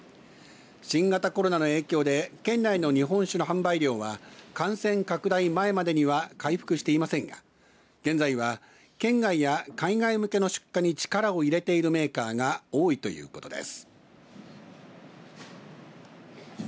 新型コロナの影響で県内の日本酒の販売量は感染拡大前までには回復していませんが現在は県外や海外向けの出荷に力を入れているメーカーが多いということです。